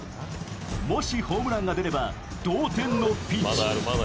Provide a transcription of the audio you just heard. もし、ホームランが出れば同点のピンチ。